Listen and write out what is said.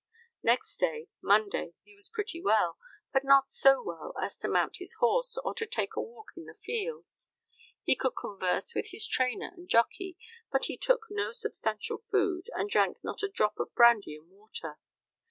Next day, Monday, he was pretty well, but not so well as to mount his horse, or to take a walk in the fields. He could converse with his trainer and jockey, but he took no substantial food, and drank not a drop of brandy and water.